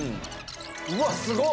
うわすごっ！